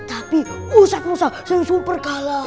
tapi usap musap si yang super kalah